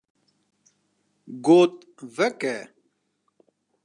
Got: ‘’ Veke.